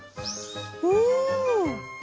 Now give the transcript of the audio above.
うん！